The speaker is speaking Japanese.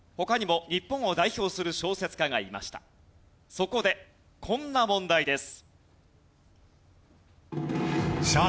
そこでこんな問題です。